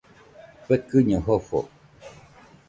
Fekɨño jofo.